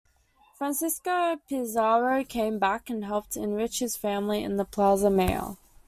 Francisco Pizarro came back and helped enrich his family in the Plaza Mayor.